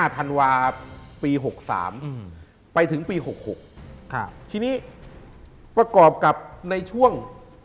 ธันวาปี๖๓ไปถึงปี๖๖ทีนี้ประกอบกับในช่วง